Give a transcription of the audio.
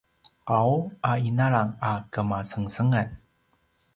qau a inalang a kemasengesengan